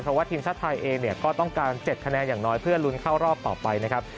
เพราะว่าทีมชาติไทยเองเนี่ยก็ต้องการ๗คะแนนอย่างน้อยเพื่อลุ้นเข้ารอบต่อไปนะครับ